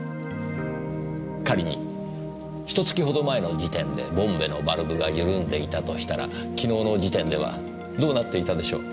仮にひと月ほど前の時点でボンベのバルブが緩んでいたとしたら昨日の時点ではどうなっていたでしょう？